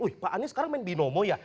wih pak anies sekarang main binomo ya